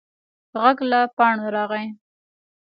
غږ له پاڼو راغی.